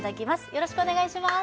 よろしくお願いします